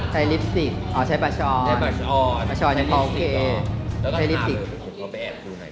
พอไปแอบดูหน่อย